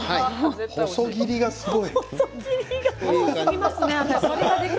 細切りがすごいですね。